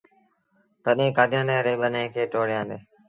تڏهيݩ ڪآديآنيآن ريٚݩ ٻنيآݩ کي ٽوڙيآندي۔